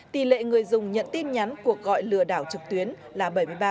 tỷ lệ người dùng nhận tin nhắn cuộc gọi lừa đảo trực tuyến là bảy mươi ba